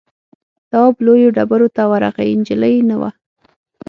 تواب لویو ډبرو ته ورغی نجلۍ نه وه.